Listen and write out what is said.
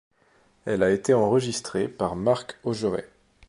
Elle a été enregistrée par Marc Ogeret.